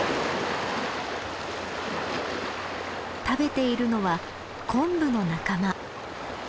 食べているのはコンブの仲間。